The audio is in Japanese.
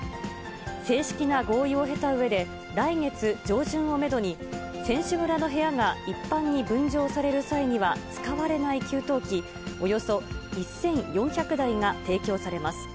正式な合意を経たうえで、来月上旬をメドに、選手村の部屋が一般に分譲される際には使われない給湯器およそ１４００台が提供されます。